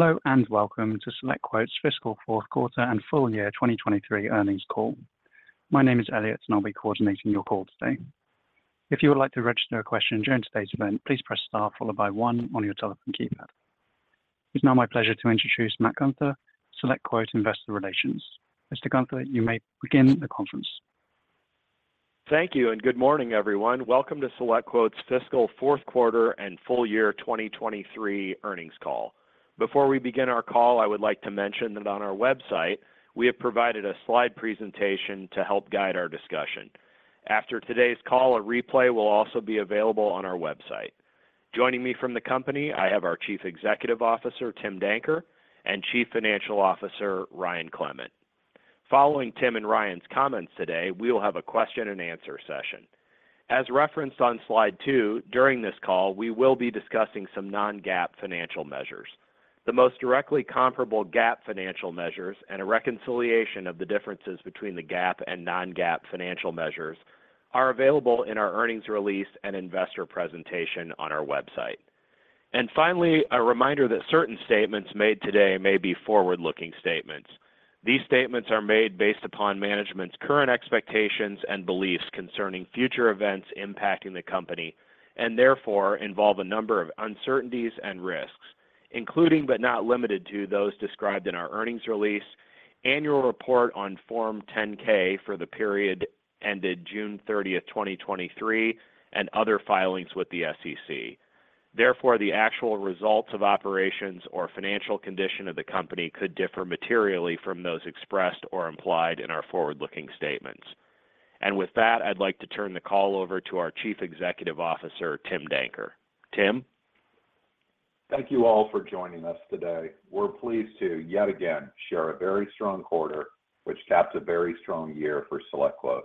Hello, and welcome to SelectQuote's Fiscal Fourth Quarter and Full Year 2023 Earnings Call. My name is Elliot, and I'll be coordinating your call today. If you would like to register a question during today's event, please press Star followed by one on your telephone keypad. It's now my pleasure to introduce Matt Gunter, SelectQuote Investor Relations. Mr. Gunter, you may begin the conference. Thank you, and good morning, everyone. Welcome to SelectQuote's Fiscal Fourth Quarter and Full Year 2023 Earnings Call. Before we begin our call, I would like to mention that on our website, we have provided a slide presentation to help guide our discussion. After today's call, a replay will also be available on our website. Joining me from the company, I have our Chief Executive Officer, Tim Danker, and Chief Financial Officer, Ryan Clement. Following Tim and Ryan's comments today, we will have a question and answer session. As referenced on slide 2, during this call, we will be discussing some non-GAAP financial measures. The most directly comparable GAAP financial measures, and a reconciliation of the differences between the GAAP and non-GAAP financial measures are available in our earnings release and investor presentation on our website. Finally, a reminder that certain statements made today may be forward-looking statements. These statements are made based upon management's current expectations and beliefs concerning future events impacting the company, and therefore involve a number of uncertainties and risks, including but not limited to, those described in our earnings release, annual report on Form 10-K for the period ended June 30th, 2023, and other filings with the SEC. Therefore, the actual results of operations or financial condition of the company could differ materially from those expressed or implied in our forward-looking statements. And with that, I'd like to turn the call over to our Chief Executive Officer, Tim Danker. Tim? Thank you all for joining us today. We're pleased to, yet again, share a very strong quarter, which caps a very strong year for SelectQuote.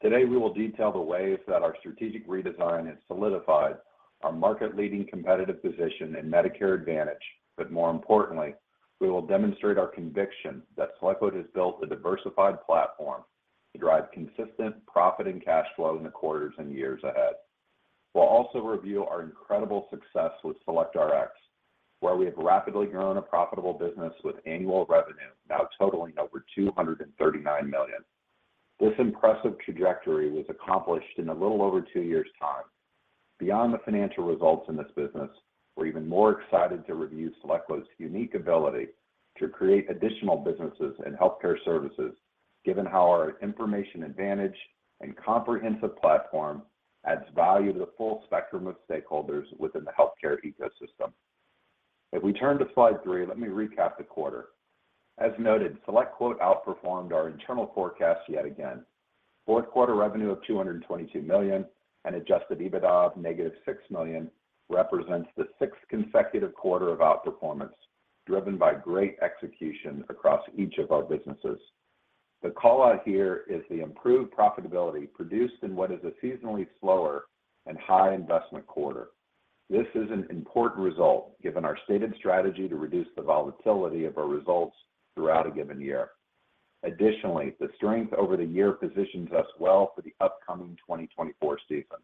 Today, we will detail the ways that our strategic redesign has solidified our market-leading competitive position in Medicare Advantage, but more importantly, we will demonstrate our conviction that SelectQuote has built a diversified platform to drive consistent profit and cash flow in the quarters and years ahead. We'll also review our incredible success with SelectRx, where we have rapidly grown a profitable business with annual revenue now totaling over $239 million. This impressive trajectory was accomplished in a little over two years' time. Beyond the financial results in this business, we're even more excited to review SelectQuote's unique ability to create additional businesses and healthcare services, given how our information advantage and comprehensive platform adds value to the full spectrum of stakeholders within the healthcare ecosystem. If we turn to slide three, let me recap the quarter. As noted, SelectQuote outperformed our internal forecast yet again. Fourth quarter revenue of $222 million and Adjusted EBITDA of -$6 million represents the sixth consecutive quarter of outperformance, driven by great execution across each of our businesses. The call-out here is the improved profitability produced in what is a seasonally slower and high investment quarter. This is an important result, given our stated strategy to reduce the volatility of our results throughout a given year. Additionally, the strength over the year positions us well for the upcoming 2024 season,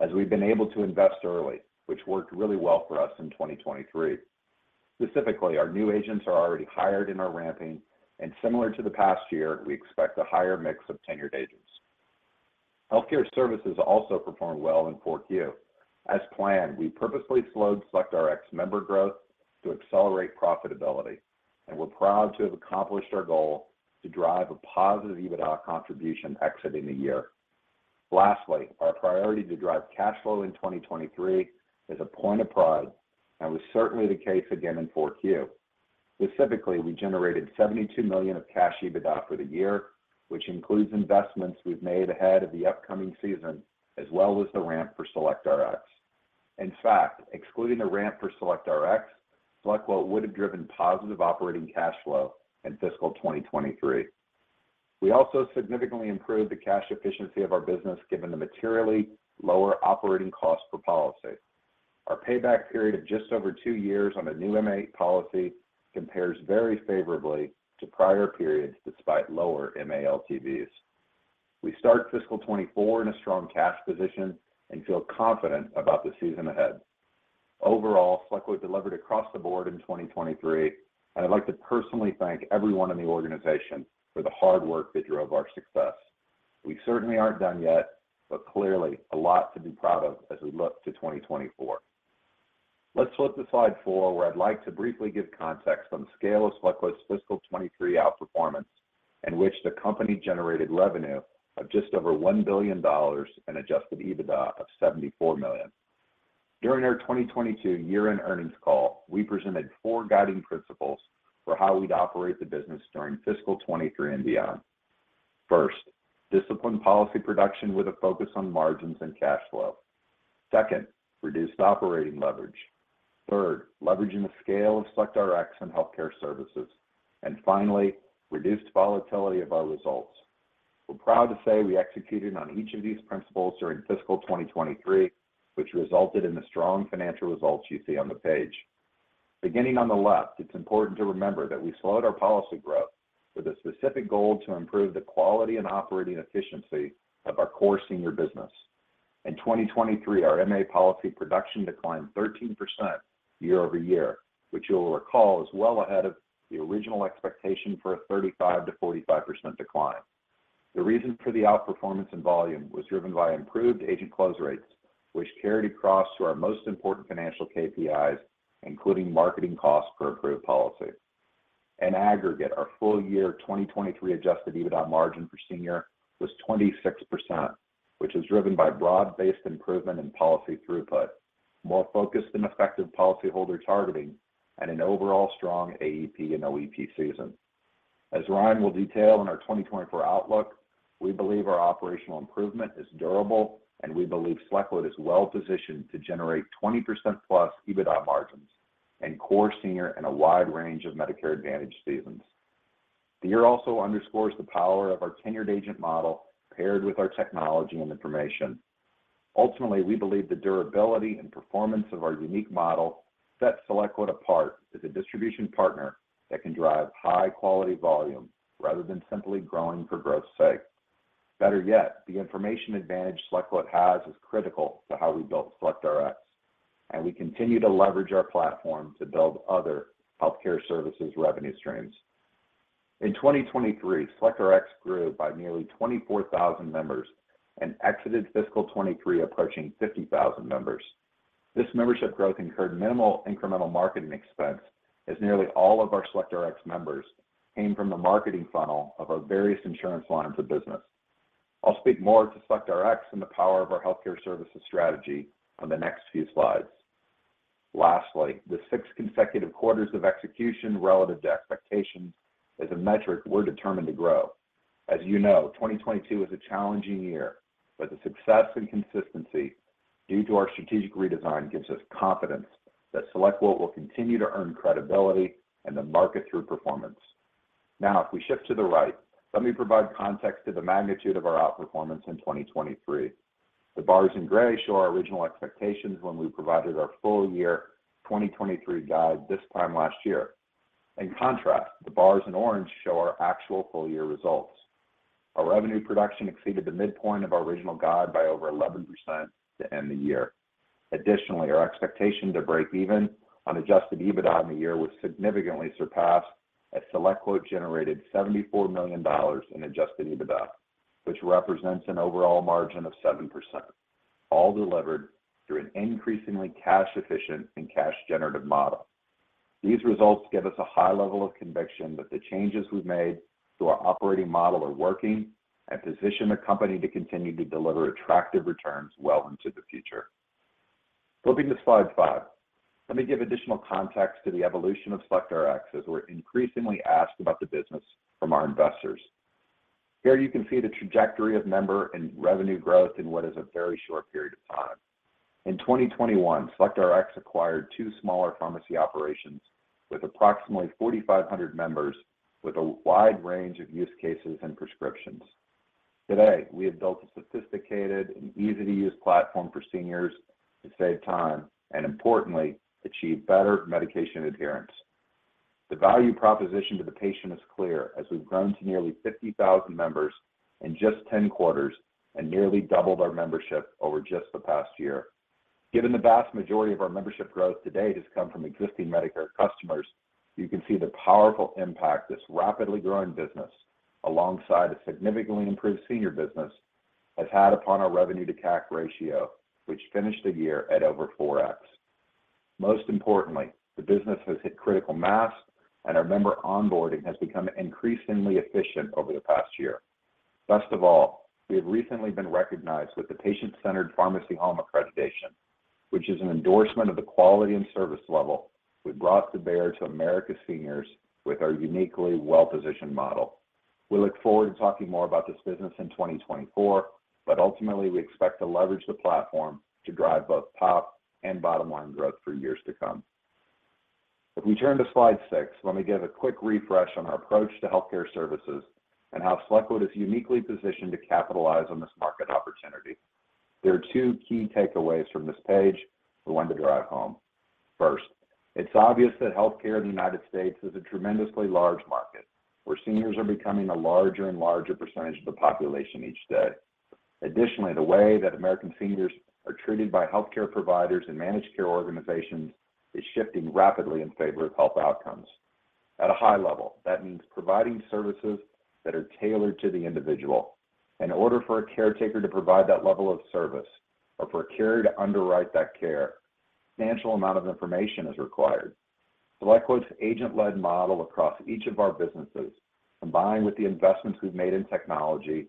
as we've been able to invest early, which worked really well for us in 2023. Specifically, our new agents are already hired and are ramping, and similar to the past year, we expect a higher mix of tenured agents. Healthcare Services also performed well in Q4. As planned, we purposely slowed SelectRx member growth to accelerate profitability, and we're proud to have accomplished our goal to drive a positive EBITDA contribution exiting the year. Lastly, our priority to drive cash flow in 2023 is a point of pride and was certainly the case again in Q4. Specifically, we generated $72 million of cash EBITDA for the year, which includes investments we've made ahead of the upcoming season, as well as the ramp for SelectRx. In fact, excluding the ramp for SelectRx, SelectQuote would have driven positive operating cash flow in fiscal 2023. We also significantly improved the cash efficiency of our business, given the materially lower operating costs per policy. Our payback period of just over two years on a new MA policy compares very favorably to prior periods, despite lower MA LTVs. We start fiscal 2024 in a strong cash position and feel confident about the season ahead. Overall, SelectQuote delivered across the board in 2023, and I'd like to personally thank everyone in the organization for the hard work that drove our success. We certainly aren't done yet, but clearly a lot to be proud of as we look to 2024. Let's flip to slide four, where I'd like to briefly give context on the scale of SelectQuote's fiscal 2023 outperformance, in which the company generated revenue of just over $1 billion and adjusted EBITDA of $74 million. During our 2022 year-end earnings call, we presented four guiding principles for how we'd operate the business during fiscal 2023 and beyond. First, discipline policy production with a focus on margins and cash flow. Second, reduced operating leverage. Third, leveraging the scale of SelectRx and healthcare services, and finally, reduced volatility of our results. We're proud to say we executed on each of these principles during fiscal 2023, which resulted in the strong financial results you see on the page. Beginning on the left, it's important to remember that we slowed our policy growth with a specific goal to improve the quality and operating efficiency of our core senior business. In 2023, our MA policy production declined 13% year-over-year, which you'll recall is well ahead of the original expectation for a 35%-45% decline. The reason for the outperformance in volume was driven by improved agent close rates, which carried across to our most important financial KPIs, including marketing costs per approved policy. In aggregate, our full year 2023 Adjusted EBITDA margin for senior was 26%, which is driven by broad-based improvement in policy throughput, more focused and effective policyholder targeting, and an overall strong AEP and OEP season. As Ryan will detail in our 2024 outlook, we believe our operational improvement is durable, and we believe SelectQuote is well positioned to generate 20%+ EBITDA margins in core senior and a wide range of Medicare Advantage seasons. The year also underscores the power of our tenured agent model, paired with our technology and information. Ultimately, we believe the durability and performance of our unique model sets SelectQuote apart as a distribution partner that can drive high-quality volume rather than simply growing for growth's sake. Better yet, the information advantage SelectQuote has is critical to how we built SelectRx, and we continue to leverage our platform to build other healthcare services revenue streams. In 2023, SelectRx grew by nearly 24,000 members and exited fiscal 2023, approaching 50,000 members. This membership growth incurred minimal incremental marketing expense, as nearly all of our SelectRx members came from the marketing funnel of our various insurance lines of business. I'll speak more to SelectRx and the power of our healthcare services strategy on the next few slides. Lastly, the six consecutive quarters of execution relative to expectations is a metric we're determined to grow. As you know, 2022 was a challenging year, but the success and consistency due to our strategic redesign gives us confidence that SelectQuote will continue to earn credibility and the market through performance. Now, if we shift to the right, let me provide context to the magnitude of our outperformance in 2023. The bars in gray show our original expectations when we provided our full-year 2023 guide this time last year. In contrast, the bars in orange show our actual full-year results. Our revenue production exceeded the midpoint of our original guide by over 11% to end the year. Additionally, our expectation to break even on Adjusted EBITDA on the year was significantly surpassed as SelectQuote generated $74 million in Adjusted EBITDA, which represents an overall margin of 7%, all delivered through an increasingly cash-efficient and cash-generative model. These results give us a high level of conviction that the changes we've made to our operating model are working and position the company to continue to deliver attractive returns well into the future. Flipping to slide five, let me give additional context to the evolution of SelectRx, as we're increasingly asked about the business from our investors. Here you can see the trajectory of member and revenue growth in what is a very short period of time. In 2021, SelectRx acquired two smaller pharmacy operations with approximately 4,500 members, with a wide range of use cases and prescriptions. Today, we have built a sophisticated and easy-to-use platform for seniors to save time, and importantly, achieve better medication adherence. The value proposition to the patient is clear, as we've grown to nearly 50,000 members in just 10 quarters and nearly doubled our membership over just the past year. Given the vast majority of our membership growth to date has come from existing Medicare customers, you can see the powerful impact this rapidly growing business, alongside a significantly improved senior business, has had upon our revenue to CAC ratio, which finished the year at over 4x. Most importantly, the business has hit critical mass, and our member onboarding has become increasingly efficient over the past year. Best of all, we have recently been recognized with the Patient-Centered Pharmacy Home Accreditation, which is an endorsement of the quality and service level we've brought to bear to America's seniors with our uniquely well-positioned model. We look forward to talking more about this business in 2024, but ultimately, we expect to leverage the platform to drive both top and bottom-line growth for years to come. If we turn to slide six, let me give a quick refresh on our approach to healthcare services and how SelectQuote is uniquely positioned to capitalize on this market opportunity. There are two key takeaways from this page we want to drive home. First, it's obvious that healthcare in the United States is a tremendously large market, where seniors are becoming a larger and larger percentage of the population each day. Additionally, the way that American seniors are treated by healthcare providers and managed care organizations is shifting rapidly in favor of health outcomes. At a high level, that means providing services that are tailored to the individual. In order for a caretaker to provide that level of service or for a carrier to underwrite that care, substantial amount of information is required. SelectQuote's agent-led model across each of our businesses, combined with the investments we've made in technology,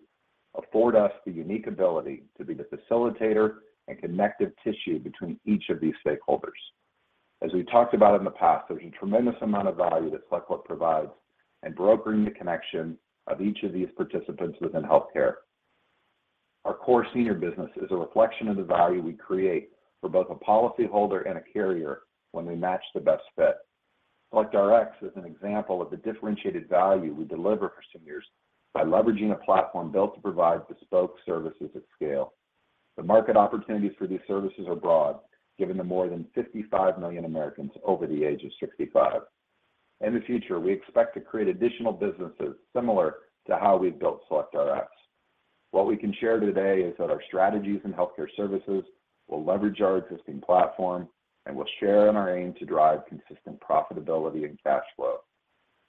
afford us the unique ability to be the facilitator and connective tissue between each of these stakeholders. As we talked about in the past, there's a tremendous amount of value that SelectQuote provides in brokering the connection of each of these participants within healthcare. Our core senior business is a reflection of the value we create for both a policyholder and a carrier when we match the best fit. SelectRx is an example of the differentiated value we deliver for seniors by leveraging a platform built to provide bespoke services at scale. The market opportunities for these services are broad, given the more than 55 million Americans over the age of 65. In the future, we expect to create additional businesses similar to how we've built SelectRx. What we can share today is that our strategies in healthcare services will leverage our existing platform, and we'll share in our aim to drive consistent profitability and cash flow.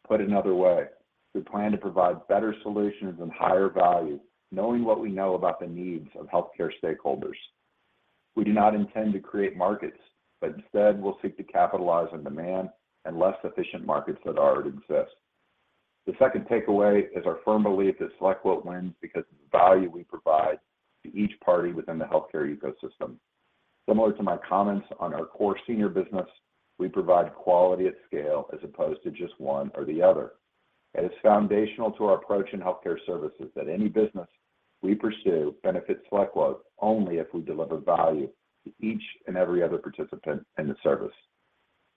Put another way, we plan to provide better solutions and higher value, knowing what we know about the needs of healthcare stakeholders. We do not intend to create markets, but instead, we'll seek to capitalize on demand and less efficient markets that already exist. The second takeaway is our firm belief that SelectQuote wins because of the value we provide to each party within the healthcare ecosystem. Similar to my comments on our core senior business, we provide quality at scale as opposed to just one or the other. It is foundational to our approach in healthcare services that any business we pursue benefits SelectQuote only if we deliver value to each and every other participant in the service.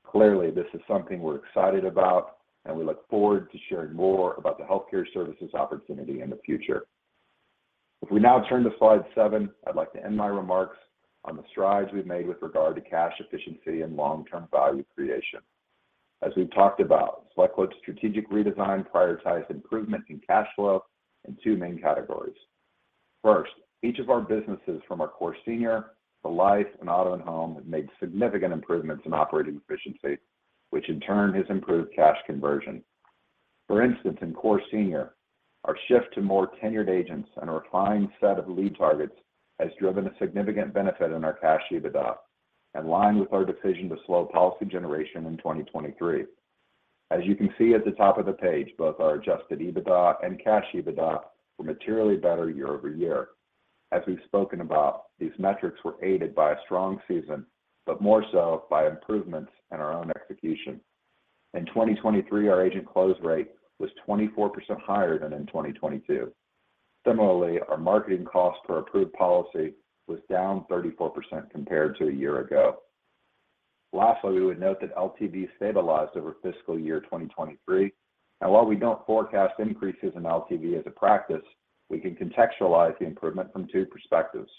Clearly, this is something we're excited about, and we look forward to sharing more about the healthcare services opportunity in the future. If we now turn to slide seven, I'd like to end my remarks on the strides we've made with regard to cash efficiency and long-term value creation. As we've talked about, SelectQuote's strategic redesign prioritized improvement in cash flow in two main categories. First, each of our businesses, from our core senior to life and auto and home, have made significant improvements in operating efficiency, which in turn has improved cash conversion. For instance, in core senior, our shift to more tenured agents and a refined set of lead targets has driven a significant benefit in our Cash EBITDA, in line with our decision to slow policy generation in 2023. As you can see at the top of the page, both our Adjusted EBITDA and Cash EBITDA were materially better year-over-year. As we've spoken about, these metrics were aided by a strong season, but more so by improvements in our own execution. In 2023, our agent close rate was 24% higher than in 2022. Similarly, our marketing cost per approved policy was down 34% compared to a year ago. Lastly, we would note that LTV stabilized over fiscal year 2023, and while we don't forecast increases in LTV as a practice, we can contextualize the improvement from two perspectives.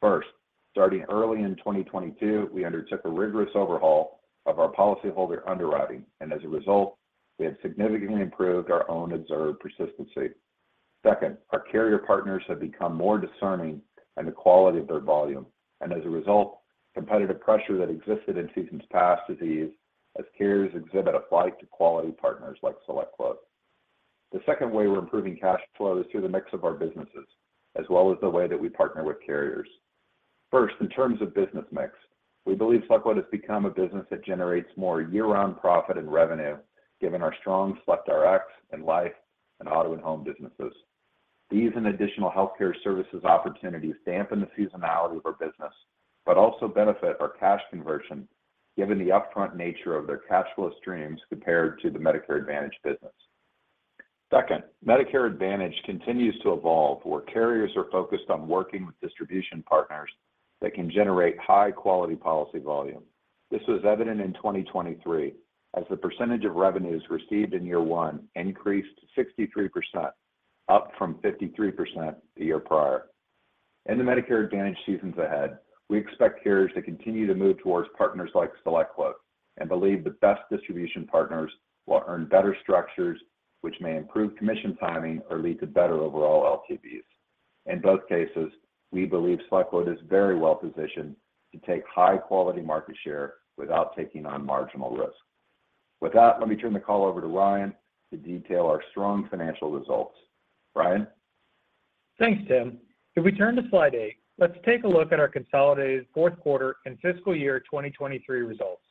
First, starting early in 2022, we undertook a rigorous overhaul of our policyholder underwriting, and as a result, we have significantly improved our own observed persistency. Second, our carrier partners have become more discerning in the quality of their volume, and as a result, competitive pressure that existed in seasons past has eased as carriers exhibit a flight to quality partners like SelectQuote. The second way we're improving cash flow is through the mix of our businesses, as well as the way that we partner with carriers. First, in terms of business mix, we believe SelectQuote has become a business that generates more year-round profit and revenue, given our strong SelectRx and Life and Auto and Home businesses. These and additional healthcare services opportunities dampen the seasonality of our business, but also benefit our cash conversion, given the upfront nature of their cash flow streams compared to the Medicare Advantage business. Second, Medicare Advantage continues to evolve, where carriers are focused on working with distribution partners that can generate high-quality policy volume. This was evident in 2023, as the percentage of revenues received in year one increased 63%, up from 53% the year prior. In the Medicare Advantage seasons ahead, we expect carriers to continue to move towards partners like SelectQuote and believe the best distribution partners will earn better structures, which may improve commission timing or lead to better overall LTVs. In both cases, we believe SelectQuote is very well positioned to take high-quality market share without taking on marginal risk. With that, let me turn the call over to Ryan to detail our strong financial results. Ryan? Thanks, Tim. If we turn to slide eight, let's take a look at our consolidated fourth quarter and fiscal year 2023 results.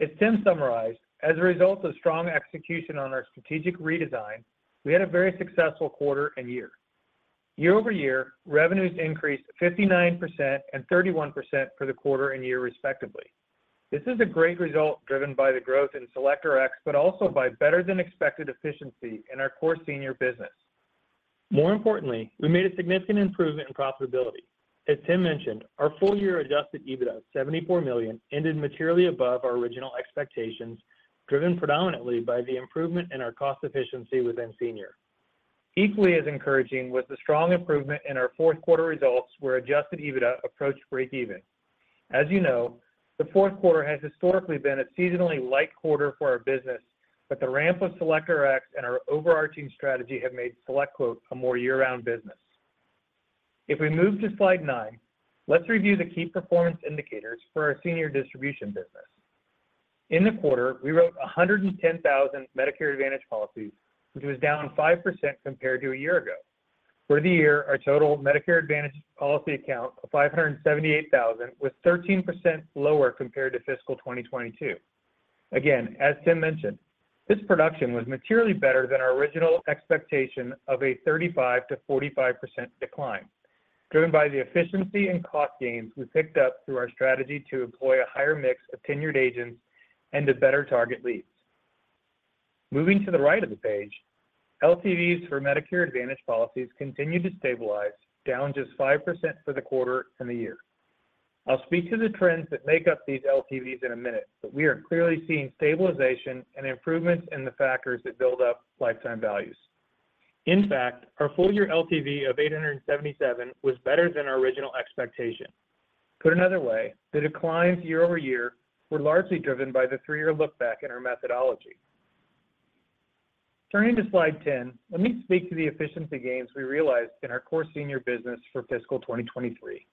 As Tim summarized, as a result of strong execution on our strategic redesign, we had a very successful quarter and year. Year-over-year, revenues increased 59% and 31% for the quarter and year respectively. This is a great result, driven by the growth in SelectRx, but also by better-than-expected efficiency in our core senior business. More importantly, we made a significant improvement in profitability. As Tim mentioned, our full-year adjusted EBITDA $74 million ended materially above our original expectations, driven predominantly by the improvement in our cost efficiency within Senior. Equally as encouraging was the strong improvement in our fourth quarter results, where adjusted EBITDA approached breakeven. As you know, the fourth quarter has historically been a seasonally light quarter for our business, but the ramp of SelectRx and our overarching strategy have made SelectQuote a more year-round business. If we move to slide nine, let's review the key performance indicators for our Senior distribution business. In the quarter, we wrote 110,000 Medicare Advantage policies, which was down 5% compared to a year ago. For the year, our total Medicare Advantage policy account of 578,000 was 13% lower compared to fiscal 2022. Again, as Tim mentioned, this production was materially better than our original expectation of a 35%-45% decline, driven by the efficiency and cost gains we picked up through our strategy to employ a higher mix of tenured agents and to better target leads. Moving to the right of the page, LTVs for Medicare Advantage policies continued to stabilize, down just 5% for the quarter and the year. I'll speak to the trends that make up these LTVs in a minute, but we are clearly seeing stabilization and improvements in the factors that build up lifetime values. In fact, our full-year LTV of 877 was better than our original expectation. Put another way, the declines year-over-year were largely driven by the three-year look back in our methodology. Turning to slide 10, let me speak to the efficiency gains we realized in our core senior business for fiscal 2023.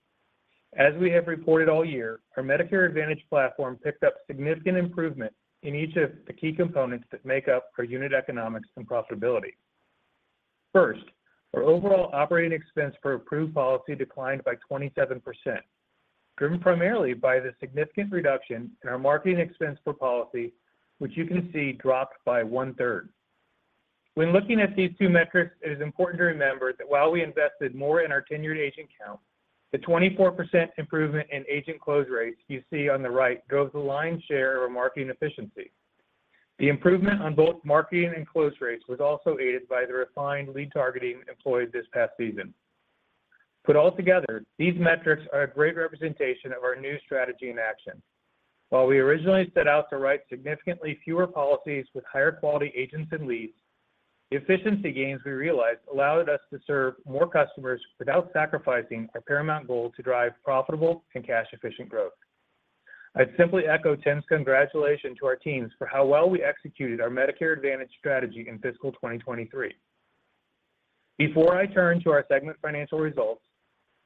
As we have reported all year, our Medicare Advantage platform picked up significant improvement in each of the key components that make up our unit economics and profitability. First, our overall operating expense for approved policy declined by 27%, driven primarily by the significant reduction in our marketing expense per policy, which you can see dropped by 1/3. When looking at these two metrics, it is important to remember that while we invested more in our tenured agent count, the 24% improvement in agent close rates you see on the right drove the lion's share of our marketing efficiency. The improvement on both marketing and close rates was also aided by the refined lead targeting employed this past season. Put all together, these metrics are a great representation of our new strategy in action. While we originally set out to write significantly fewer policies with higher quality agents and leads, the efficiency gains we realized allowed us to serve more customers without sacrificing our paramount goal to drive profitable and cash-efficient growth. I'd simply echo Tim's congratulations to our teams for how well we executed our Medicare Advantage strategy in fiscal 2023. Before I turn to our segment financial results,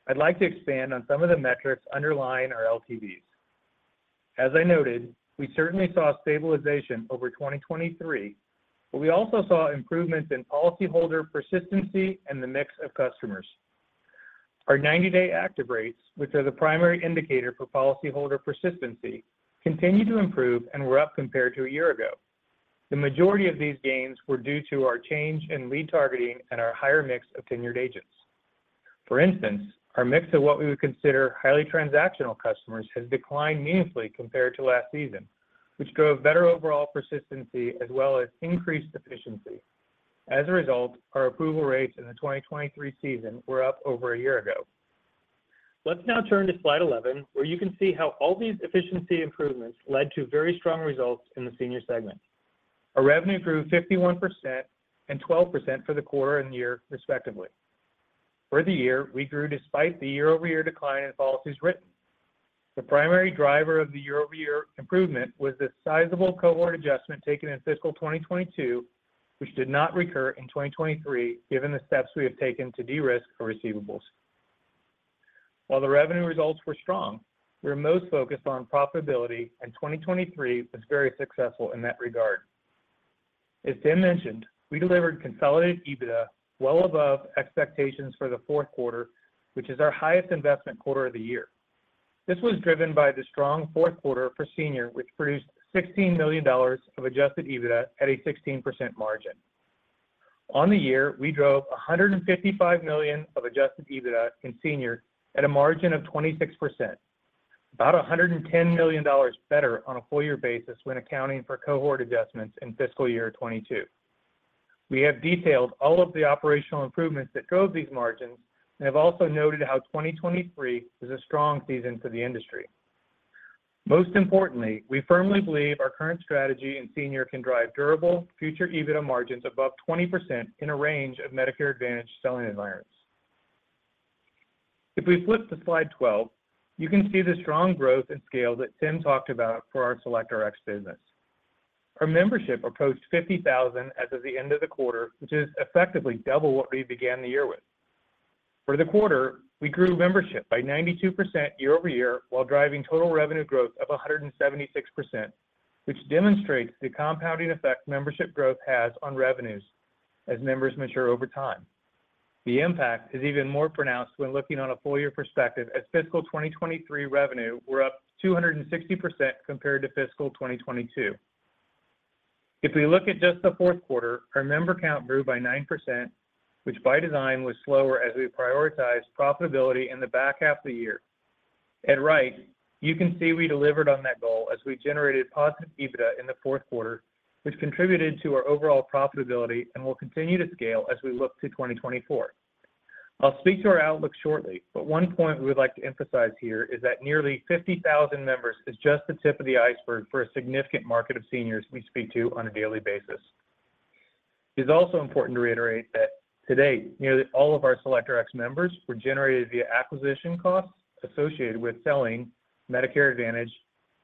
I'd like to expand on some of the metrics underlying our LTVs. As I noted, we certainly saw stabilization over 2023, but we also saw improvements in policyholder persistency and the mix of customers. Our 90-day active rates, which are the primary indicator for policyholder persistency, continued to improve and were up compared to a year ago. The majority of these gains were due to our change in lead targeting and our higher mix of tenured agents. For instance, our mix of what we would consider highly transactional customers has declined meaningfully compared to last season, which drove better overall persistency as well as increased efficiency. As a result, our approval rates in the 2023 season were up over a year ago. Let's now turn to slide 11, where you can see how all these efficiency improvements led to very strong results in the senior segment. Our revenue grew 51% and 12% for the quarter and the year, respectively. For the year, we grew despite the year-over-year decline in policies written. The primary driver of the year-over-year improvement was the sizable cohort adjustment taken in fiscal 2022, which did not recur in 2023, given the steps we have taken to de-risk our receivables. While the revenue results were strong, we are most focused on profitability, and 2023 was very successful in that regard. As Tim mentioned, we delivered consolidated EBITDA well above expectations for the fourth quarter, which is our highest investment quarter of the year. This was driven by the strong fourth quarter for senior, which produced $16 million of adjusted EBITDA at a 16% margin. On the year, we drove $155 million of adjusted EBITDA in senior at a margin of 26%, about $110 million better on a full year basis when accounting for cohort adjustments in fiscal year 2022. We have detailed all of the operational improvements that drove these margins and have also noted how 2023 is a strong season for the industry. Most importantly, we firmly believe our current strategy in senior can drive durable future EBITDA margins above 20% in a range of Medicare Advantage selling environments. If we flip to slide 12, you can see the strong growth and scale that Tim talked about for our SelectRx business. Our membership approached 50,000 as of the end of the quarter, which is effectively double what we began the year with. For the quarter, we grew membership by 92% year-over-year, while driving total revenue growth of 176%, which demonstrates the compounding effect membership growth has on revenues as members mature over time. The impact is even more pronounced when looking on a full year perspective, as fiscal 2023 revenue were up 260% compared to fiscal 2022. If we look at just the fourth quarter, our member count grew by 9%, which by design, was slower as we prioritized profitability in the back half of the year. At right, you can see we delivered on that goal as we generated positive EBITDA in the fourth quarter, which contributed to our overall profitability and will continue to scale as we look to 2024. I'll speak to our outlook shortly, but one point we'd like to emphasize here is that nearly 50,000 members is just the tip of the iceberg for a significant market of seniors we speak to on a daily basis. It's also important to reiterate that to date, nearly all of our SelectRx members were generated via acquisition costs associated with selling Medicare Advantage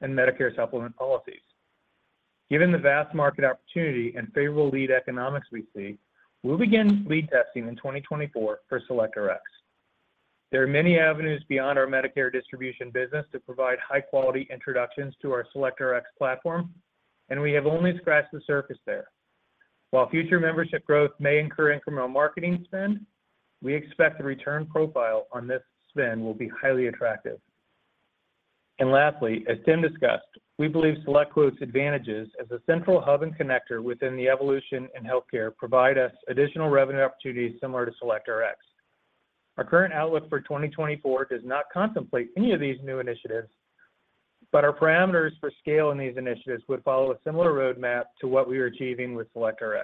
and Medicare Supplement policies. Given the vast market opportunity and favorable lead economics we see, we'll begin lead testing in 2024 for SelectRx. There are many avenues beyond our Medicare distribution business to provide high-quality introductions to our SelectRx platform, and we have only scratched the surface there. While future membership growth may incur incremental marketing spend, we expect the return profile on this spend will be highly attractive. And lastly, as Tim discussed, we believe SelectQuote's advantages as a central hub and connector within the evolution in healthcare provide us additional revenue opportunities similar to SelectRx. Our current outlook for 2024 does not contemplate any of these new initiatives, but our parameters for scale in these initiatives would follow a similar roadmap to what we are achieving with SelectRx.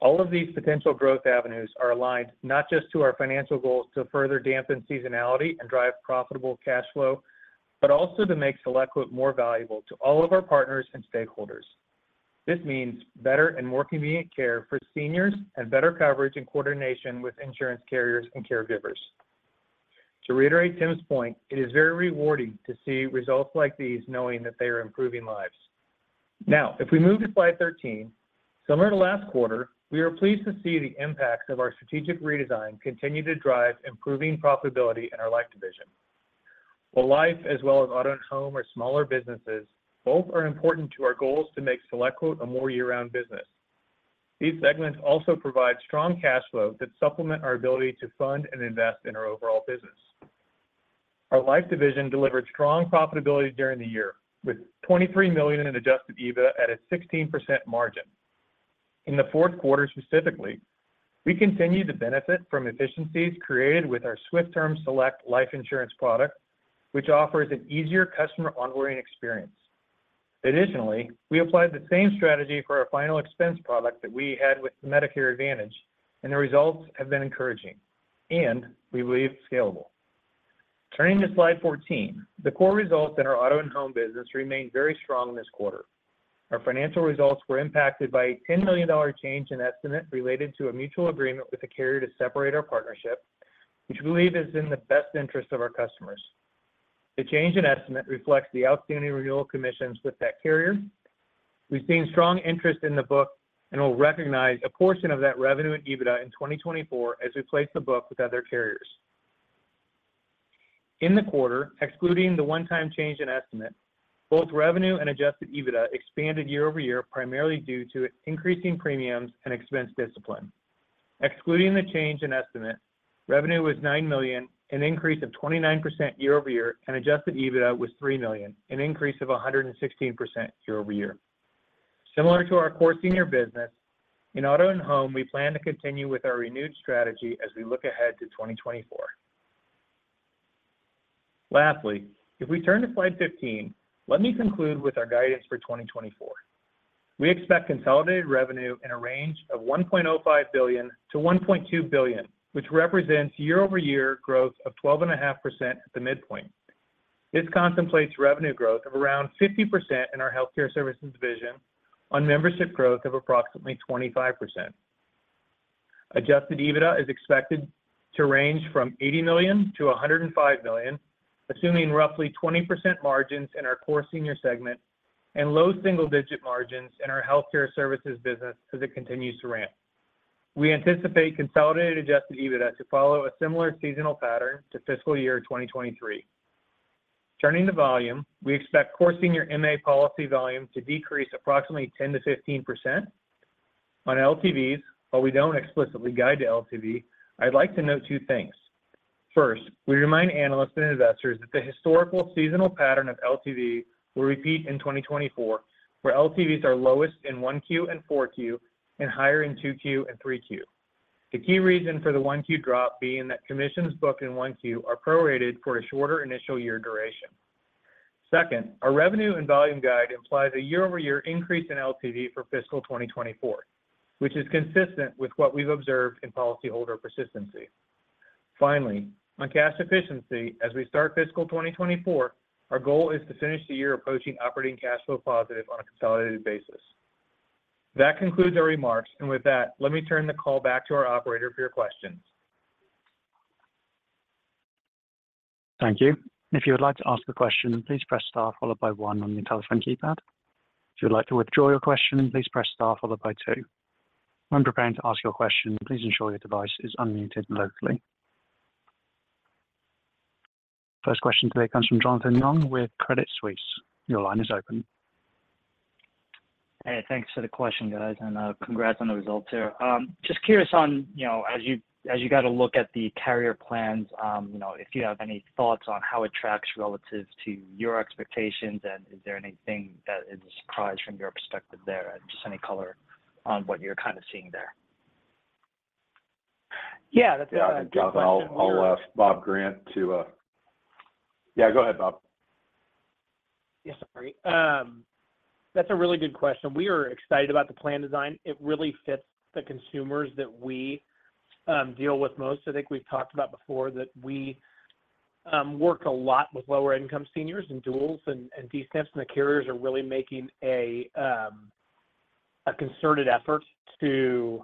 All of these potential growth avenues are aligned not just to our financial goals to further dampen seasonality and drive profitable cash flow, but also to make SelectQuote more valuable to all of our partners and stakeholders. This means better and more convenient care for seniors, and better coverage and coordination with insurance carriers and caregivers. To reiterate Tim's point, it is very rewarding to see results like these, knowing that they are improving lives. Now, if we move to slide 13, similar to last quarter, we are pleased to see the impacts of our strategic redesign continue to drive improving profitability in our Life division. While Life, as well as Auto and Home, are smaller businesses, both are important to our goals to make SelectQuote a more year-round business. These segments also provide strong cash flow that supplement our ability to fund and invest in our overall business. Our Life division delivered strong profitability during the year, with $23 million in Adjusted EBITDA at a 16% margin. In the fourth quarter specifically, we continued to benefit from efficiencies created with our SwiftTerm Select life insurance product, which offers an easier customer onboarding experience. Additionally, we applied the same strategy for our final expense product that we had with Medicare Advantage, and the results have been encouraging, and we believe scalable. Turning to slide 14, the core results in our Auto and Home business remained very strong this quarter. Our financial results were impacted by a $10 million change in estimate related to a mutual agreement with the carrier to separate our partnership, which we believe is in the best interest of our customers. The change in estimate reflects the outstanding renewal commissions with that carrier. We've seen strong interest in the book, and we'll recognize a portion of that revenue in EBITDA in 2024 as we place the book with other carriers. In the quarter, excluding the one-time change in estimate, both revenue and Adjusted EBITDA expanded year-over-year, primarily due to increasing premiums and expense discipline. Excluding the change in estimate, revenue was $9 million, an increase of 29% year-over-year, and Adjusted EBITDA was $3 million, an increase of 116% year-over-year. Similar to our core senior business, in Auto and Home, we plan to continue with our renewed strategy as we look ahead to 2024. Lastly, if we turn to slide 15, let me conclude with our guidance for 2024. We expect consolidated revenue in a range of $1.05 billion-$1.2 billion, which represents year-over-year growth of 12.5% at the midpoint. This contemplates revenue growth of around 50% in our healthcare services division on membership growth of approximately 25%. Adjusted EBITDA is expected to range from $80 million-$105 million, assuming roughly 20% margins in our core senior segment and low single-digit margins in our healthcare services business as it continues to ramp. We anticipate consolidated adjusted EBITDA to follow a similar seasonal pattern to fiscal year 2023. Turning to volume, we expect core senior MA policy volume to decrease approximately 10%-15%. On LTVs, while we don't explicitly guide to LTV, I'd like to note two things. First, we remind analysts and investors that the historical seasonal pattern of LTV will repeat in 2024, where LTVs are lowest in 1Q and 4Q, and higher in 2Q and 3Q. The key reason for the 1Q drop being that commissions booked in 1Q are prorated for a shorter initial year duration. Second, our revenue and volume guide implies a year-over-year increase in LTV for fiscal 2024, which is consistent with what we've observed in policyholder persistency. Finally, on cash efficiency, as we start fiscal 2024, our goal is to finish the year approaching operating cash flow positive on a consolidated basis. That concludes our remarks, and with that, let me turn the call back to our operator for your questions. Thank you. If you would like to ask a question, please press star followed by one on your telephone keypad. If you would like to withdraw your question, please press star followed by two. When preparing to ask your question, please ensure your device is unmuted locally. First question today comes from Jonathan Yong with Credit Suisse. Your line is open. Hey, thanks for the question, guys, and, congrats on the results here. Just curious on, you know, as you, as you got a look at the carrier plans, you know, if you have any thoughts on how it tracks relative to your expectations, and is there anything that is a surprise from your perspective there? Just any color on what you're kind of seeing there. Yeah, that's a great question. Yeah, I think, Jon, I'll ask Bob Grant to... Yeah, go ahead, Bob. Yeah, sorry. That's a really good question. We are excited about the plan design. It really fits the consumers that we deal with most. I think we've talked about before that we work a lot with lower-income seniors and duals and D-SNPs, and the carriers are really making a concerted effort to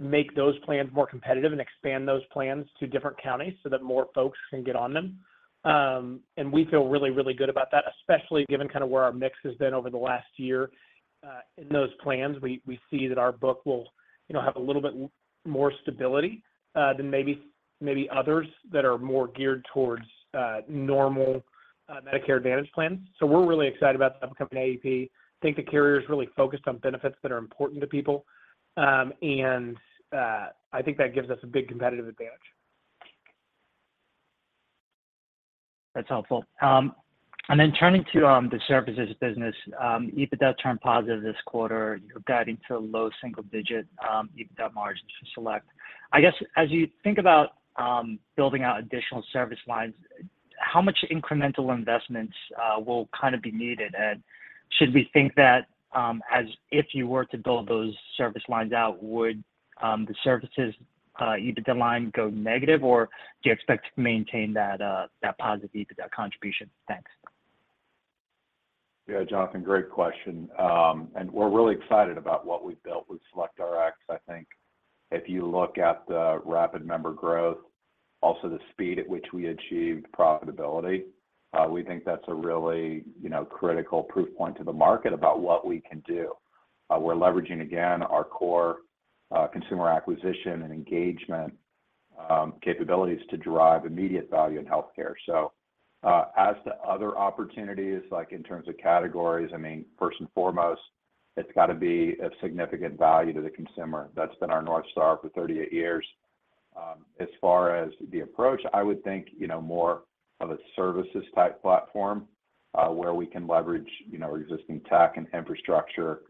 make those plans more competitive and expand those plans to different counties so that more folks can get on them. And we feel really, really good about that, especially given kind of where our mix has been over the last year in those plans. We see that our book will, you know, have a little bit more stability than maybe others that are more geared towards normal Medicare Advantage plans. So we're really excited about the upcoming AEP. I think the carrier is really focused on benefits that are important to people, and I think that gives us a big competitive advantage. That's helpful. And then turning to the services business, EBITDA turned positive this quarter. You're guiding to low single digit EBITDA margin for Select. I guess, as you think about building out additional service lines, how much incremental investments will kind of be needed, and should we think that, as if you were to build those service lines out, would the services EBITDA line go negative, or do you expect to maintain that that positive EBITDA contribution? Thanks. Yeah, Jonathan, great question. We're really excited about what we've built with SelectRx. I think if you look at the rapid member growth, also the speed at which we achieved profitability, we think that's a really, you know, critical proof point to the market about what we can do. We're leveraging, again, our core, consumer acquisition and engagement capabilities to drive immediate value in healthcare. So, as to other opportunities, like in terms of categories, I mean, first and foremost, it's got to be of significant value to the consumer. That's been our north star for 38 years. As far as the approach, I would think, you know, more of a services-type platform, where we can leverage, you know, our existing tech and infrastructure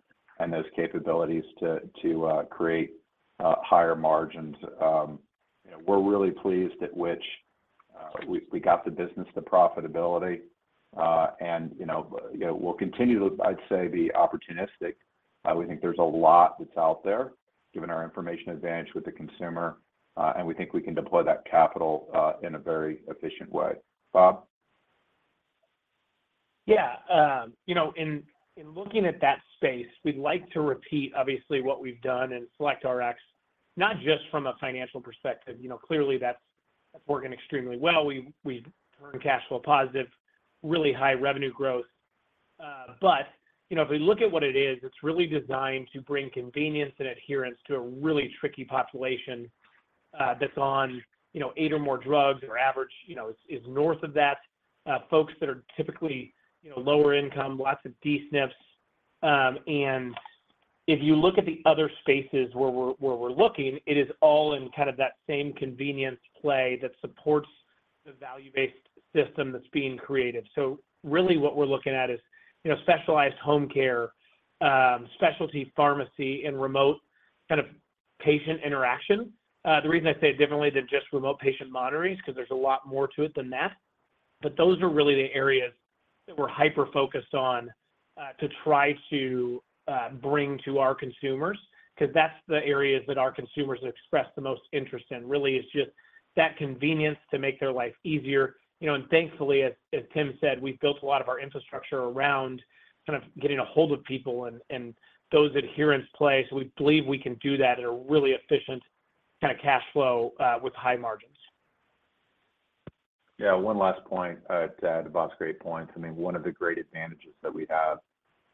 and those capabilities to create higher margins. You know, we're really pleased at which we got the business to profitability. You know, you know, we'll continue to, I'd say, be opportunistic. We think there's a lot that's out there, given our information advantage with the consumer, and we think we can deploy that capital in a very efficient way. Bob? Yeah, you know, in looking at that space, we'd like to repeat, obviously, what we've done in SelectRx, not just from a financial perspective. You know, clearly, that's working extremely well. We've turned cash flow positive, really high revenue growth. But, you know, if we look at what it is, it's really designed to bring convenience and adherence to a really tricky population, that's on, you know, eight or more drugs. Their average, you know, is north of that. Folks that are typically, you know, lower income, lots of D-SNPs. And if you look at the other spaces where we're looking, it is all in kind of that same convenience play that supports the value-based system that's being created. So really, what we're looking at is, you know, specialized home care, specialty pharmacy and remote kind of patient interaction. The reason I say differently than just remote patient monitoring, 'cause there's a lot more to it than that, but those are really the areas that we're hyper-focused on, to try to bring to our consumers, 'cause that's the areas that our consumers expressed the most interest in. Really, it's just that convenience to make their life easier. You know, and thankfully, as Tim said, we've built a lot of our infrastructure around kind of getting a hold of people and those adherence plays. We believe we can do that at a really efficient kind of cash flow with high margins. Yeah, one last point to Bob's great point. I mean, one of the great advantages that we have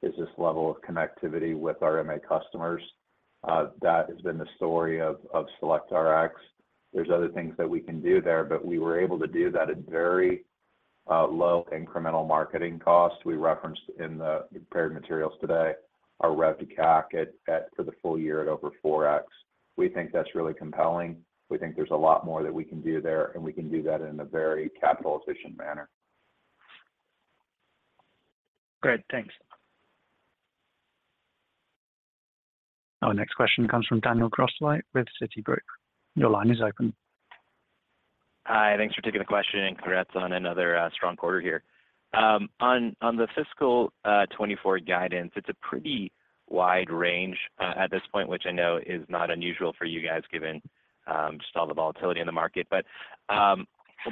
is this level of connectivity with our MA customers. That has been the story of SelectRx. There's other things that we can do there, but we were able to do that at very low incremental marketing cost. We referenced in the prepared materials today, our rev to CAC for the full year at over 4x. We think that's really compelling. We think there's a lot more that we can do there, and we can do that in a very capital efficient manner. Great, thanks. Our next question comes from Daniel Grosslight with Citigroup. Your line is open. Hi, thanks for taking the question, and congrats on another strong quarter here. On the fiscal 2024 guidance, it's a pretty wide range at this point, which I know is not unusual for you guys, given just all the volatility in the market. But I'd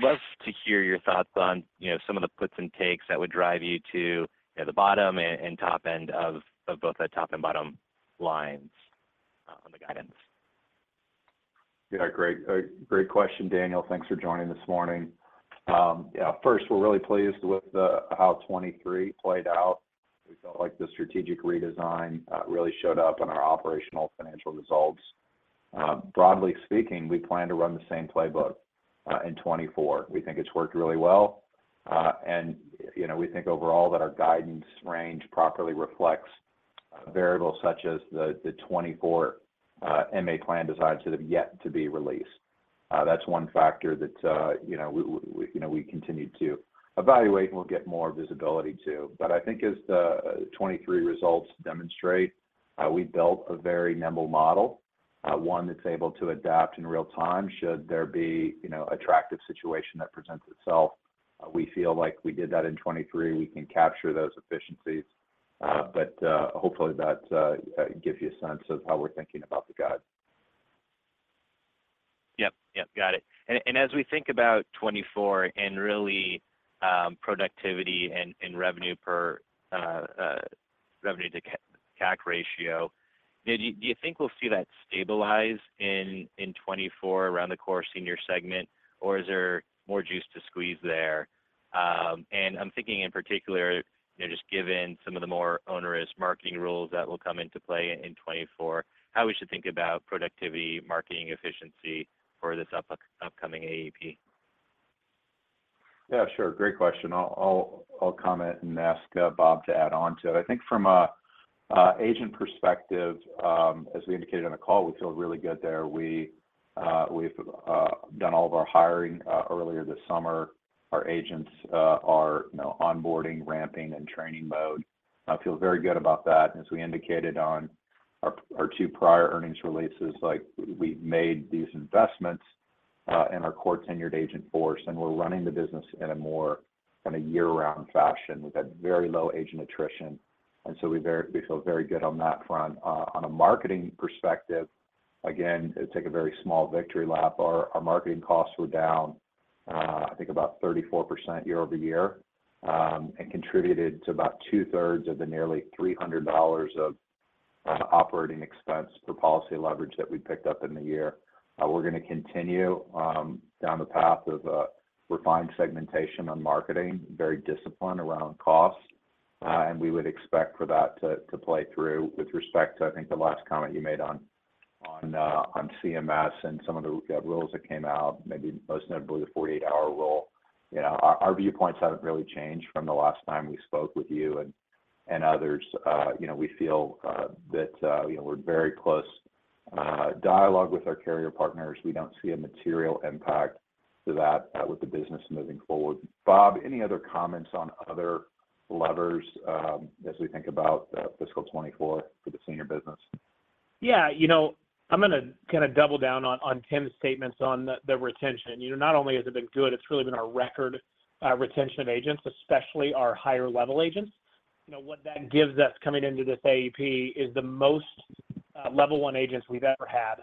love to hear your thoughts on, you know, some of the puts and takes that would drive you to, you know, the bottom and top end of both the top and bottom lines on the guidance. Yeah, great. Great question, Daniel. Thanks for joining this morning. Yeah, first, we're really pleased with how 2023 played out. We felt like the strategic redesign really showed up on our operational financial results. Broadly speaking, we plan to run the same playbook in 2024. We think it's worked really well. And, you know, we think overall that our guidance range properly reflects variables such as the 2024 MA plan designs that have yet to be released. That's one factor that, you know, we continue to evaluate and we'll get more visibility to. But I think as the 2023 results demonstrate, we built a very nimble model, one that's able to adapt in real time should there be, you know, attractive situation that presents itself. We feel like we did that in 2023. We can capture those efficiencies. But hopefully, that gives you a sense of how we're thinking about the guide. Yep. Yep, got it. And as we think about 2024 and really, productivity and revenue per, revenue to CAC ratio, do you think we'll see that stabilize in 2024 around the core senior segment, or is there more juice to squeeze there? And I'm thinking in particular, you know, just given some of the more onerous marketing rules that will come into play in 2024, how we should think about productivity, marketing efficiency for this upcoming AEP? Yeah, sure. Great question. I'll comment and ask Bob to add on to it. I think from a agent perspective, as we indicated on the call, we feel really good there. We've done all of our hiring earlier this summer. Our agents are, you know, onboarding, ramping, and training mode. I feel very good about that. As we indicated on our two prior earnings releases, like we've made these investments in our core tenured agent force, and we're running the business in a more kind of year-round fashion with a very low agent attrition, and so we feel very good on that front. On a marketing perspective, again, take a very small victory lap. Our marketing costs were down, I think about 34% year-over-year, and contributed to about two-thirds of the nearly $300 of operating expense per policy leverage that we picked up in the year. We're gonna continue down the path of refined segmentation on marketing, very disciplined around cost, and we would expect for that to play through. With respect to, I think, the last comment you made on CMS and some of the rules that came out, maybe most notably the 48-hour rule, you know, our viewpoints haven't really changed from the last time we spoke with you and others. You know, we feel that you know, we're very close dialogue with our carrier partners. We don't see a material impact to that, with the business moving forward. Bob, any other comments on other levers, as we think about fiscal 2024 for the senior business? Yeah, you know, I'm gonna kind of double down on Tim's statements on the retention. You know, not only has it been good, it's really been our record retention of agents, especially our higher-level agents. You know, what that gives us coming into this AEP is the most level one agents we've ever had,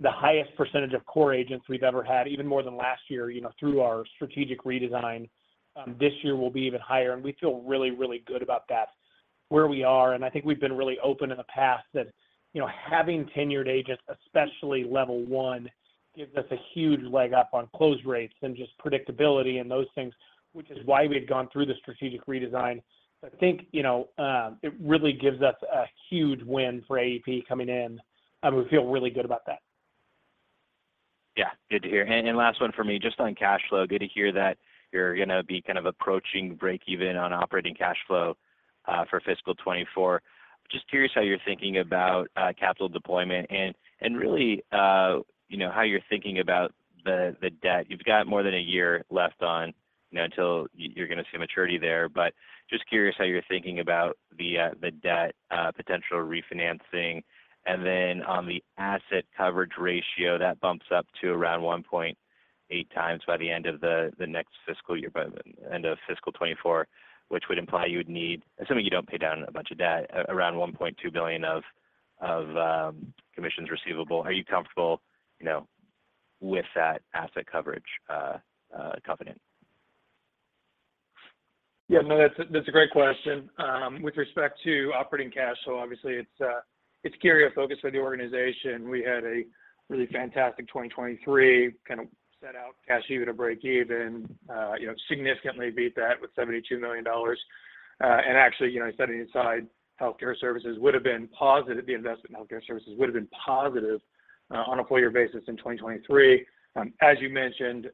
the highest percentage of core agents we've ever had, even more than last year, you know, through our strategic redesign. This year will be even higher, and we feel really, really good about that, where we are. And I think we've been really open in the past that, you know, having tenured agents, especially level one, gives us a huge leg up on close rates and just predictability and those things, which is why we've gone through the strategic redesign. I think, you know, it really gives us a huge win for AEP coming in, and we feel really good about that. Yeah, good to hear. And last one for me, just on cash flow. Good to hear that you're gonna be kind of approaching break even on operating cash flow for fiscal 2024. Just curious how you're thinking about capital deployment and really, you know, how you're thinking about the debt. You've got more than a year left on, you know, until you're gonna see maturity there, but just curious how you're thinking about the debt, potential refinancing. And then on the asset coverage ratio, that bumps up to around 1.8 times by the end of the next fiscal year, by the end of fiscal 2024, which would imply you would need. Assuming you don't pay down a bunch of debt, around $1.2 billion of commissions receivable. Are you comfortable, you know, with that asset coverage covenant? Yeah, no, that's a great question. With respect to operating cash, so obviously, it's a key area of focus for the organization. We had a really fantastic 2023, kind of set out cash either to break even, you know, significantly beat that with $72 million. And actually, you know, setting aside healthcare services would've been positive, the investment in healthcare services would've been positive on a full year basis in 2023. As you mentioned,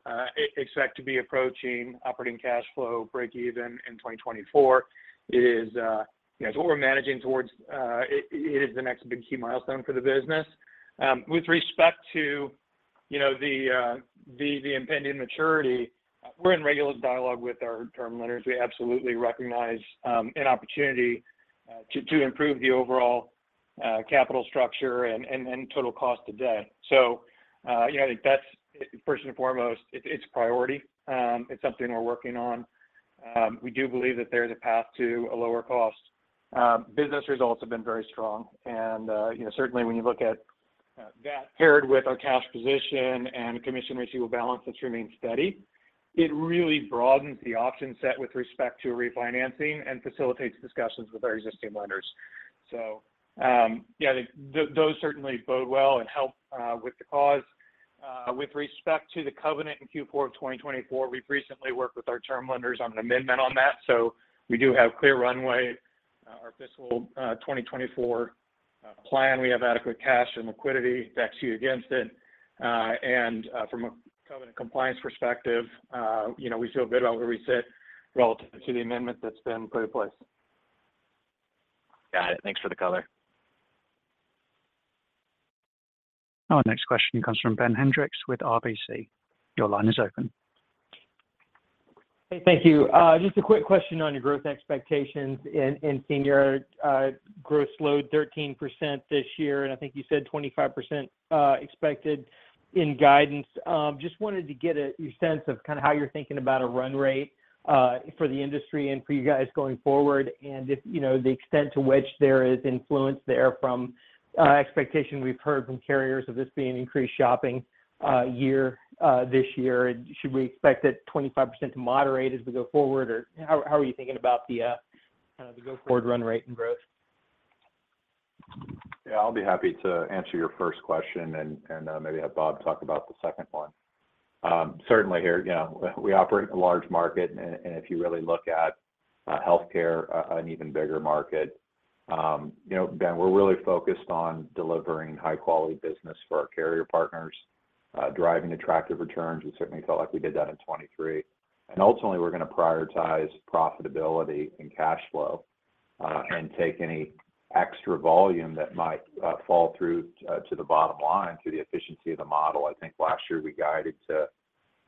expect to be approaching operating cash flow break even in 2024. It is, you know, it's what we're managing towards, it is the next big key milestone for the business. With respect to, you know, the impending maturity, we're in regular dialogue with our term lenders. We absolutely recognize an opportunity to improve the overall capital structure and total cost of debt. So, you know, I think that's, first and foremost, it's a priority. It's something we're working on. We do believe that there is a path to a lower cost. Business results have been very strong, and, you know, certainly when you look at that paired with our cash position and commission receivable balance, which remains steady, it really broadens the option set with respect to refinancing and facilitates discussions with our existing lenders. So, yeah, those certainly bode well and help with the cause. With respect to the covenant in Q4 of 2024, we've recently worked with our term lenders on an amendment on that, so we do have clear runway. Our fiscal 2024 plan, we have adequate cash and liquidity backed you against it. From a covenant compliance perspective, you know, we feel good about where we sit relative to the amendment that's been put in place. Got it. Thanks for the color. Our next question comes from Ben Hendrix with RBC. Your line is open. Hey, thank you. Just a quick question on your growth expectations in, in senior. Growth slowed, 13% this year, and I think you said 25%, expected in guidance. Just wanted to get, your sense of kind of how you're thinking about a run rate, for the industry and for you guys going forward, and if, you know, the extent to which there is influence there from, expectations we've heard from carriers of this being increased shopping, year, this year. Should we expect that 25% to moderate as we go forward, or how, how are you thinking about the, kind of the go-forward run rate and growth? Yeah, I'll be happy to answer your first question and maybe have Bob talk about the second one. Certainly here, you know, we operate a large market, and if you really look at healthcare, an even bigger market. You know, Ben, we're really focused on delivering high-quality business for our carrier partners, driving attractive returns. We certainly felt like we did that in 2023. And ultimately, we're gonna prioritize profitability and cash flow, and take any extra volume that might fall through to the bottom line, through the efficiency of the model. I think last year we guided to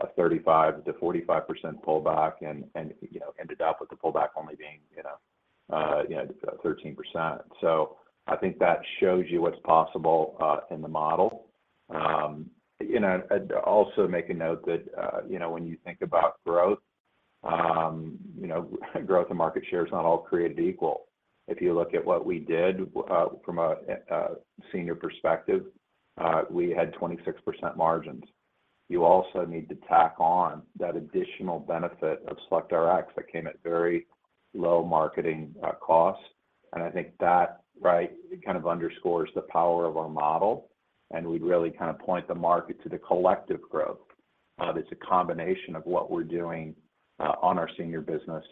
a 35%-45% pullback and, you know, ended up with the pullback only being, you know, 13%. So I think that shows you what's possible in the model. You know, and also make a note that, you know, when you think about growth, you know, growth and market share is not all created equal. If you look at what we did, from a senior perspective, we had 26% margins. You also need to tack on that additional benefit of SelectRx that came at very low marketing costs, and I think that, right, it kind of underscores the power of our model, and we'd really kind of point the market to the collective growth. That's a combination of what we're doing, on our senior business,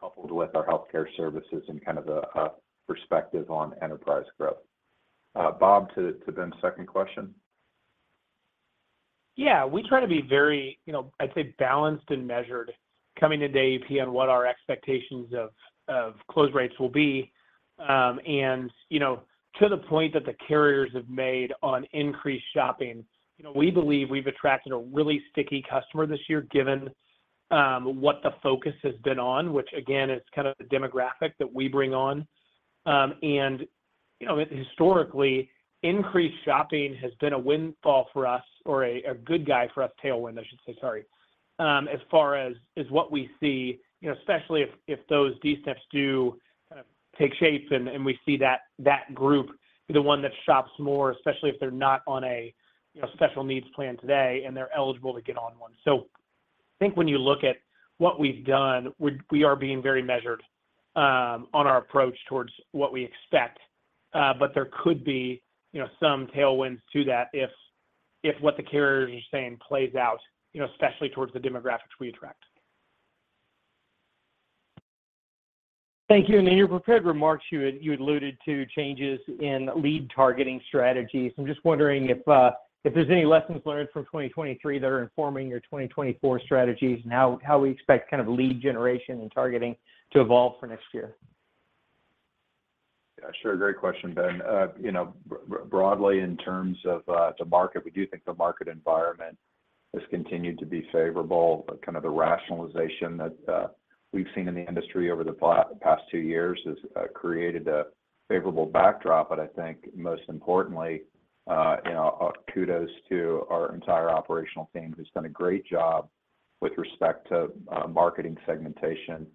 coupled with our healthcare services and kind of the perspective on enterprise growth. Bob, to Ben's second question? Yeah, we try to be very, you know, I'd say, balanced and measured coming into AEP on what our expectations of close rates will be. And, you know, to the point that the carriers have made on increased shopping, you know, we believe we've attracted a really sticky customer this year, given what the focus has been on, which again, is kind of the demographic that we bring on. And, you know, historically, increased shopping has been a windfall for us or a good guy for us, tailwind, I should say, sorry. As far as what we see, you know, especially if those D-SNPs do kind of take shape and we see that group be the one that shops more, especially if they're not on a, you know, special needs plan today, and they're eligible to get on one. So I think when you look at what we've done, we, we are being very measured on our approach towards what we expect. But there could be, you know, some tailwinds to that if, if what the carriers are saying plays out, you know, especially towards the demographics we attract. Thank you. In your prepared remarks, you had alluded to changes in lead targeting strategies. I'm just wondering if, if there's any lessons learned from 2023 that are informing your 2024 strategies and how, how we expect kind of lead generation and targeting to evolve for next year? Yeah, sure. Great question, Ben. You know, broadly, in terms of the market, we do think the market environment has continued to be favorable. Kind of the rationalization that we've seen in the industry over the past two years has created a favorable backdrop. But I think most importantly, you know, kudos to our entire operational team, who's done a great job with respect to marketing segmentation,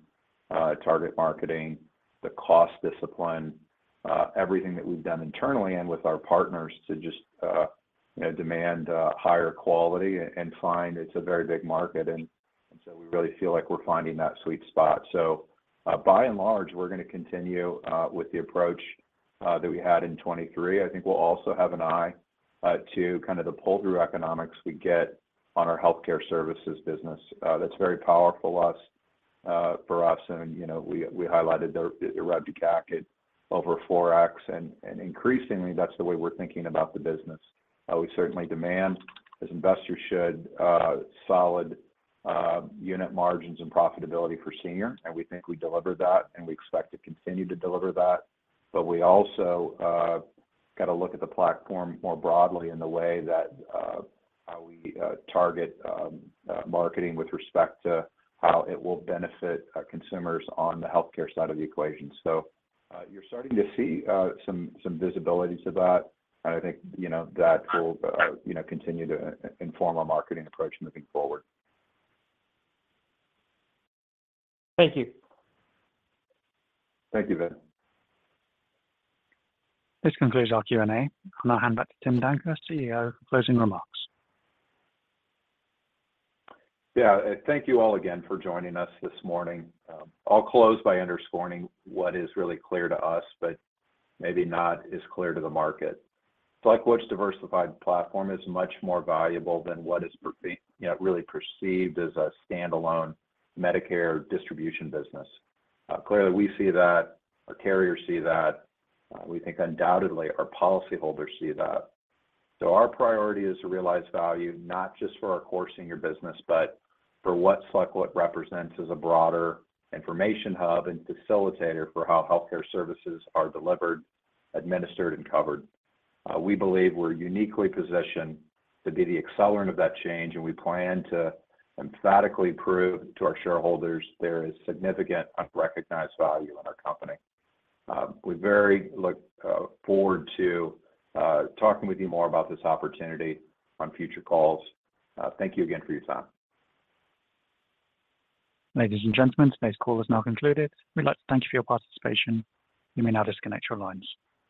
target marketing, the cost discipline, everything that we've done internally and with our partners to just, you know, demand higher quality and find it's a very big market. And so we really feel like we're finding that sweet spot. So, by and large, we're gonna continue with the approach that we had in 2023. I think we'll also have an eye to kind of the pull-through economics we get on our healthcare services business. That's very powerful for us, and you know, we highlighted the ROIC at over 4x. And increasingly, that's the way we're thinking about the business. We certainly demand, as investors should, solid unit margins and profitability for Senior, and we think we deliver that, and we expect to continue to deliver that. But we also got to look at the platform more broadly in the way that how we target marketing with respect to how it will benefit consumers on the healthcare side of the equation. So, you're starting to see some visibilities to that, and I think, you know, that will, you know, continue to inform our marketing approach moving forward. Thank you. Thank you, Ben. This concludes our Q&A. I'll now hand back to Tim Danker, CEO, for closing remarks. Yeah. Thank you all again for joining us this morning. I'll close by underscoring what is really clear to us, but maybe not as clear to the market. SelectQuote's diversified platform is much more valuable than what is, you know, really perceived as a standalone Medicare distribution business. Clearly, we see that; our carriers see that. We think undoubtedly our policyholders see that. So our priority is to realize value not just for our core senior business, but for what SelectQuote represents as a broader information hub and facilitator for how healthcare services are delivered, administered, and covered. We believe we're uniquely positioned to be the accelerant of that change, and we plan to emphatically prove to our shareholders there is significant unrecognized value in our company. We very much look forward to talking with you more about this opportunity on future calls. Thank you again for your time. Ladies and gentlemen, today's call is now concluded. We'd like to thank you for your participation. You may now disconnect your lines.